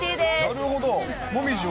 なるほど。